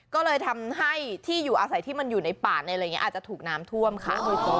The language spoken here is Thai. ก็เลยทำให้ที่อยู่อาศัยที่มันอยู่ในป่าในอะไรอย่างนี้อาจจะถูกน้ำท่วมค่ะ